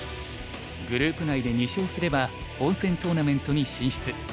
グループ内で２勝すれば本戦トーナメントに進出。